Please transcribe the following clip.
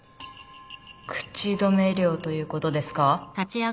口止め料ということですか？